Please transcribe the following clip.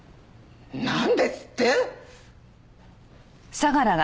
なんですって！？